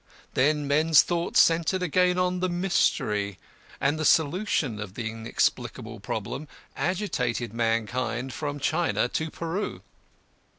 Then men's thoughts centred again on the Mystery, and the solution of the inexplicable problem agitated mankind from China to Peru.